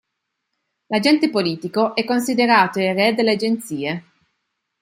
L'agente politico è considerato il re delle agenzie.